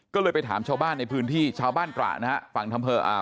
ก็เลยไปถามชาวบ้านในพื้นที่ชาวบ้านกระนะฮะ